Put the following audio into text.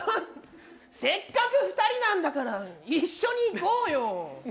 せっかく２人なんだから一緒に行こうよ。